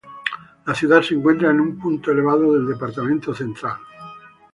La ciudad se encuentra en un punto elevado del Departamento Central.